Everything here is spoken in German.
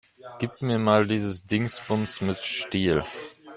Gib mir mal dieses Dingsbums mit Stiel.